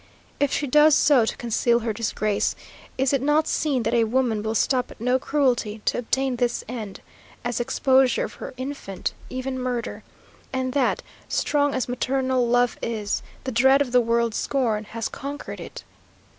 If she does so to conceal her disgrace is it not seen that a woman will stop at no cruelty, to obtain this end? as exposure of her infant, even murder? and that, strong as maternal love is, the dread of the world's scorn has conquered it?